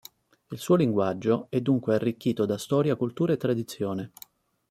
Il suo linguaggio è dunque arricchito da storia, cultura e tradizione.